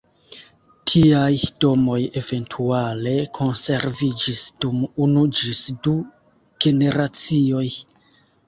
Tiaj domoj eventuale konserviĝis dum unu ĝis du generacioj.